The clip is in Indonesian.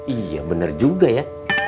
iya bener juga ya